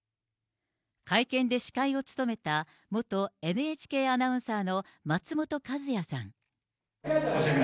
会見で司会を務めた、元ＮＨＫアナウンサーの松本和也さん。